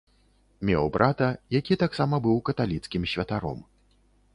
Меў брата, які таксама быў каталіцкім святаром.